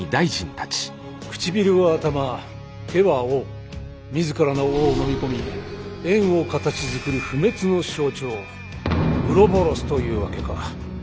唇は頭手は尾自らの尾をのみ込み円を形づくる不滅の象徴ＵＲＯＢＯＲＯＳというわけか。